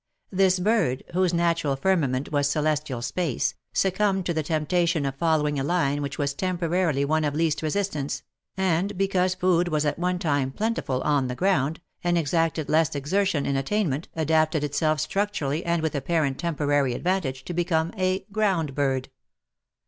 This bird, whose natural firmament was celestial space, succumbed to the temptation of following a line w^hich was temporarily one of least resistance, and because food was at one time plentiful on the grojind, and exacted less exertion in attainment, adapted itself structurally and with apparent temporary advantage to become d. ground bird.